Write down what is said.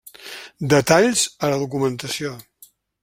Detalls a la documentació.